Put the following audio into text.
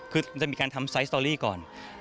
คือมันจะมีการทำซายสตอรี่ก่อน